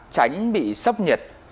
tránh bị sốc nhiệt